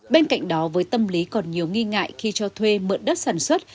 bên cạnh đó với tâm lý còn nhiều nghi ngại khi cho thuê mượn đất sản xuất